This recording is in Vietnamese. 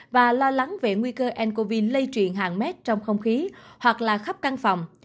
và lo lắng về nguy cơ ncov lây truyền hàng mét trong không khí hoặc là khắp căn phòng